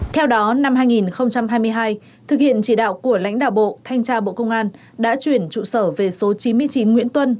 theo đó năm hai nghìn hai mươi hai thực hiện chỉ đạo của lãnh đạo bộ thanh tra bộ công an đã chuyển trụ sở về số chín mươi chín nguyễn tuân